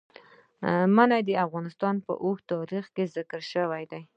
منی د افغانستان په اوږده تاریخ کې ذکر شوی دی.